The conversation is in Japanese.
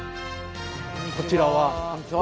こちらは？